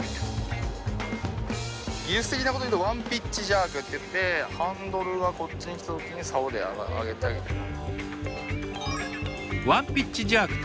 技術的なことを言うとワンピッチジャークと言ってハンドルがこっちに来た時にサオで上げてあげる。